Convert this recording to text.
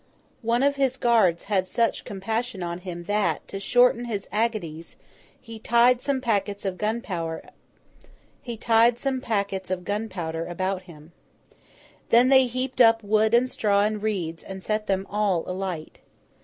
One of his guards had such compassion on him that, to shorten his agonies, he tied some packets of gunpowder about him. Then they heaped up wood and straw and reeds, and set them all alight.